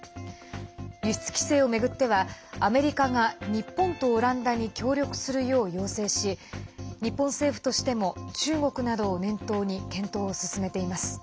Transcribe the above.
輸出規制を巡ってはアメリカが日本とオランダに協力するよう要請し日本政府としても中国などを念頭に検討を進めています。